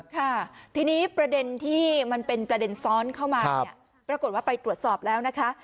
ค่ะทีนี้ประเด็นที่มันเป็นประเด็นซ้อนเข้ามาเนี่ยปรากฏว่าไปตรวจสอบแล้วนะคะ